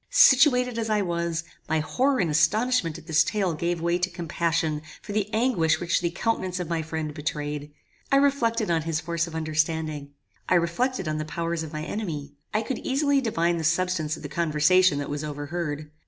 Situated as I was, my horror and astonishment at this tale gave way to compassion for the anguish which the countenance of my friend betrayed. I reflected on his force of understanding. I reflected on the powers of my enemy. I could easily divine the substance of the conversation that was overheard.